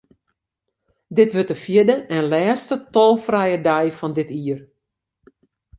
Dit wurdt de fjirde en lêste tolfrije dei fan dit jier.